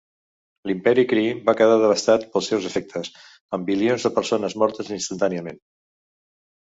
L'imperi Kree va quedar devastat pels seus efectes, amb bilions de persones mortes instantàniament.